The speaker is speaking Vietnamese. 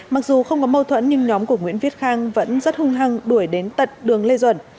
mặc dù không có mâu thuẫn nhưng nhóm của nguyễn viết khang vẫn rất hung hăng đuổi đến tận đường lê duẩn